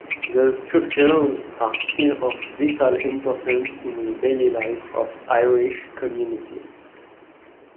These structures are still of vital importance in the daily life of Irish communities.